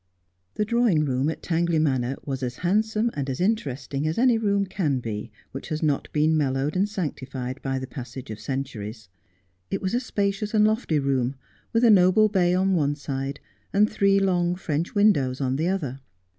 Tns drawing room at Tangley Manor was as handsome and as interesting as any room can be which has not been mellowed and sanctified by the passage of centuries. It was a spacious and lofty room, with a noble bay on one side, and three long French windows on the other.